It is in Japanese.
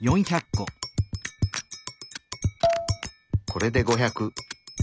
これで５００。